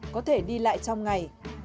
có thể đi lại trong ngày